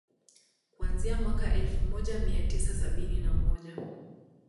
Kuanzia mwaka elfu moja mia tisa sabini na moja